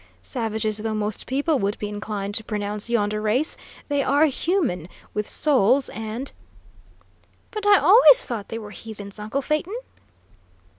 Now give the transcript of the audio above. Savages though most people would be inclined to pronounce yonder race, they are human, with souls and " "But I always thought they were heathens, uncle Phaeton?"